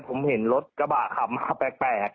ผมเห็นรถกระบะขับมาแปลก